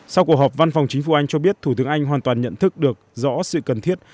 sau cuộc họp văn phòng chính phủ anh cho biết thủ tướng anh hoàn toàn nhận thức được rõ sự cần thiết